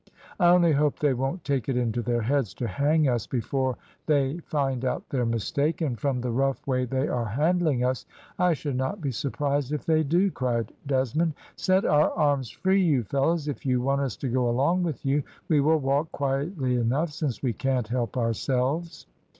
"I only hope they won't take it into their heads to hang us before they find out their mistake, and from the rough way they are handling us, I should not be surprised if they do," cried Desmond. "Set our arms free, you fellows. If you want us to go along with you, we will walk quietly enough, since we can't help ourselves."